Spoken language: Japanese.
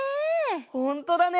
ほんとだね！